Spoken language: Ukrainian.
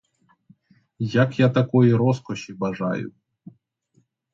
Як я такої розкоші бажаю.